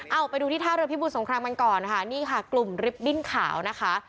เอาไปดูที่ท่าเรือพิบูรสงครามกันก่อนค่ะนี่ค่ะกลุ่มริบบิ้นขาวนะคะ